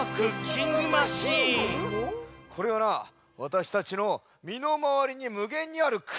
これはなわたしたちのみのまわりにむげんにあるくうき！